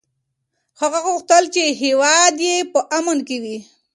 هغه غوښتل چې هېواد یې په امن کې وي.